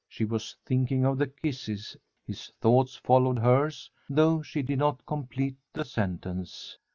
She was thinking of the kisses. His thoughts followed hers, though she did not complete the sentence.